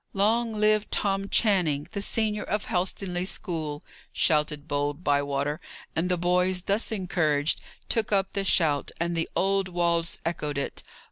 "Long live Tom Channing, the senior of Helstonleigh school!" shouted bold Bywater; and the boys, thus encouraged, took up the shout, and the old walls echoed it.